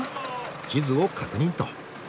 地図を確認と。